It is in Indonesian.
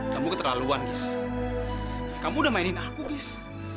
kamu keterlaluan gis kamu udah mainin aku gis